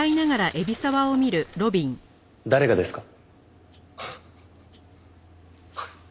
誰がですか？